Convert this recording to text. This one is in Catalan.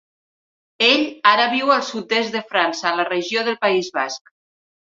Ell ara viu al sud-oest de França a la regió del País Basc.